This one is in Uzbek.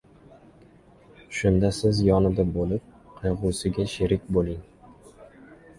Shunda siz yonida bo‘lib, qayg‘usiga sherik bo‘ling.